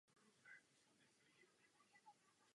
V té době však bylo známo jen minimum fosilních dokladů.